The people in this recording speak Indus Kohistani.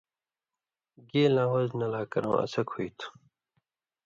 گیلاں وزنہ لا کرؤں اڅھک ہُوئ تھُو۔